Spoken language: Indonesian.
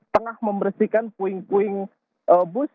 tengah membersihkan puing puing bus